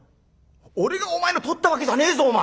俺がお前のとったわけじゃねえぞお前。